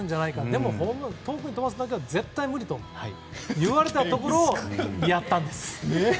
でも遠くへ飛ばすだけは絶対に無理と言われたところやったんです。